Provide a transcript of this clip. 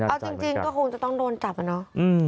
เอาจริงก็คงจะต้องโดนจับอะเนาะ